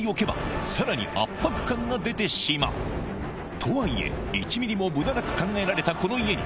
ここにとはいえ１ミリも無駄なく考えられたこの家に